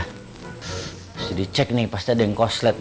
harus dicek nih pasti ada yang koslet